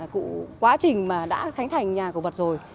cũng quá trình mà đã khánh thành nhà cổ vật rồi